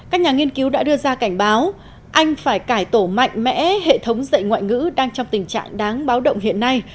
các nhà nghiên cứu đã đưa ra cảnh báo anh phải cải tổ mạnh mẽ hệ thống dạy ngoại ngữ đang trong tình trạng đáng báo động hiện nay